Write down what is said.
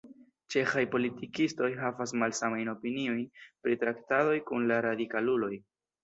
Ĉeĥaj politikistoj havas malsamajn opiniojn pri traktadoj kun la radikaluloj.